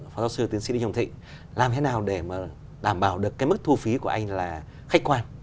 phó giáo sư tiến sĩ lý hồng thị làm thế nào để đảm bảo được mức thu phí của anh là khách quan